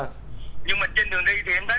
nhưng mà trên đường đi thì em thấy